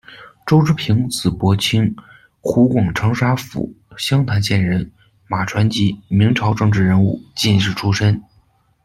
周之屏，字伯卿，湖广长沙府湘潭县人，马船籍，明朝政治人物、进士出身。